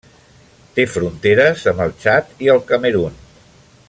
Té fronteres amb el Txad i el Camerun.